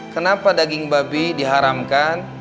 kenapa daging babi diharamkan